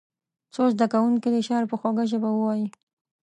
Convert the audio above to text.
څو زده کوونکي دې شعر په خوږه ژبه ووایي.